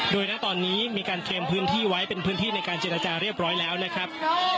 โดยณตอนนี้มีการเตรียมพื้นที่ไว้เป็นพื้นที่ในการเจรจาเรียบร้อยแล้วนะครับ